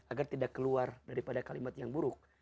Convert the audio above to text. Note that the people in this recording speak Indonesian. agar tidak keluar daripada kalimat yang buruk